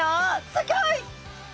すギョい！